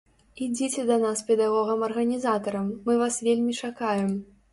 Ідзіце да нас педагогам-арганізатарам, мы вас вельмі чакаем.